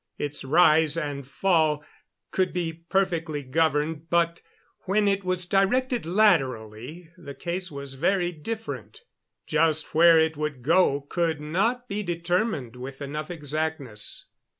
Its rise and fall could be perfectly governed; but when it was directed laterally the case was very different. Just where it would go could not be determined with enough exactness.